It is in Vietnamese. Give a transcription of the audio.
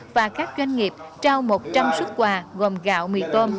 và các doanh nghiệp trao một trăm linh xuất quà gồm gạo mì tôm